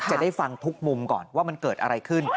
จะได้ฟังทุกมุมก่อนว่ามันเกิดอะไรขึ้น